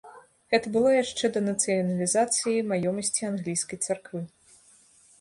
Гэта было яшчэ да нацыяналізацыі маёмасці англійскай царквы.